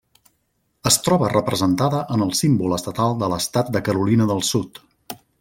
Es troba representada en el símbol estatal de l'estat de Carolina del Sud.